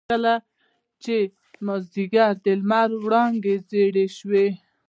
کله چې مازيګر د لمر وړانګې زيړې شوې.